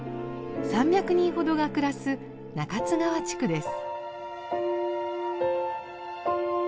３００人ほどが暮らす中津川地区です。